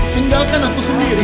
tinggalkan aku sendiri